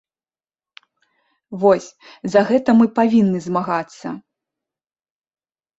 Вось, за гэта мы павінны змагацца.